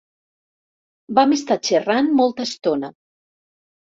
Vam estar xerrant molta estona.